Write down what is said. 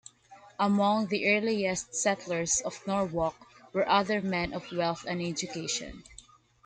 Among the earliest settlers of Norwalk were other men of wealth and education.